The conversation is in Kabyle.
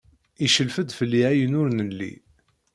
Icellef-d fell-i ayen ur nelli.